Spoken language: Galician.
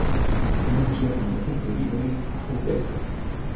O novo slogan do Celta de Vigo é "afouteza".